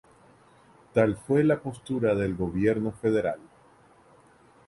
Tal fue la postura del Gobierno Federal.